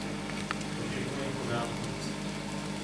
To všechno je v pořádku.